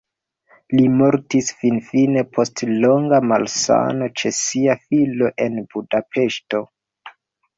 Li mortis finfine post longa malsano ĉe sia filo en Budapeŝto.